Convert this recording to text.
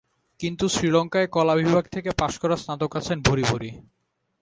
কিন্তু শ্রীলঙ্কায় কলা বিভাগ থেকে পাস করা স্নাতক আছেন ভূরি ভূরি।